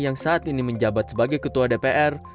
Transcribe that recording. yang saat ini menjabat sebagai ketua dpr